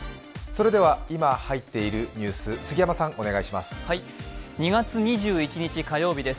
今、入っているニュース、杉山さん、お願いします。